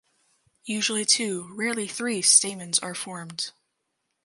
Usually two rarely three stamens are formed.